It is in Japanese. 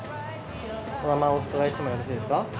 お名前お伺いしてもよろしいですか？